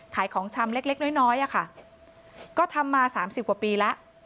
ขายของชำเล็กน้อยอะค่ะก็ทำมาสามสิบกว่าปีละ